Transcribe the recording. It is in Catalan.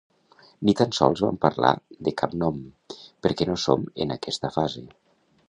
Ni tan sols vam parlar de cap nom, perquè no som en aquesta fase.